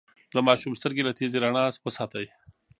د ماشوم سترګې له تیزې رڼا وساتئ.